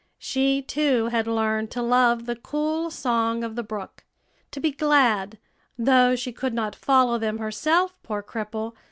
She, too, had learned to love the cool song of the brook; to be glad though she could not follow them herself, poor cripple!